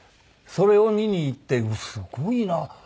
それを見に行ってすごいな。